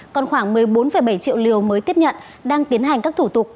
còn khoảng một mươi bốn bảy triệu liều mới tiếp nhận đang tiến hành các thủ tục